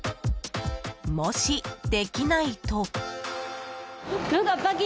もし、できないと。